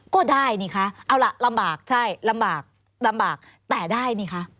ก็ได้ลำบากใช่ลำบากแต่ได้